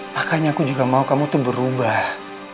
makanya aku juga mau kamu tuh berubah